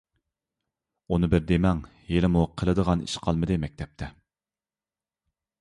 ئۇنى بىر دېمەڭ، ھېلىمۇ قىلىدىغان ئىش قالمىدى مەكتەپتە.